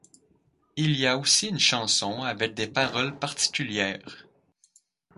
Il y a aussi une chanson avec des paroles particulières.